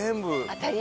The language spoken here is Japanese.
当たり！